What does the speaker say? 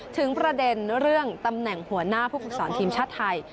ถึงประเด็นเรื่องตำแหน่งหัวหน้าผู้ฝึกสอนทีมชาติไทย